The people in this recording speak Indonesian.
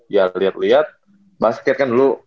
ya liat liat basket kan dulu